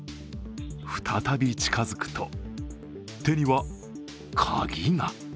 再び近づくと、手には鍵が。